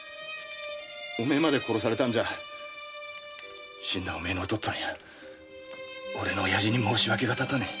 お前まで殺されたんじゃ死んだお前のお父っつぁんや俺の親父に申し訳が立たねえ。